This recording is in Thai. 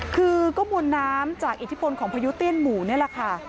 คือก็มวลน้ำจากอิทธิพลของพายุเตี้ยนหมู่นี่แหละค่ะ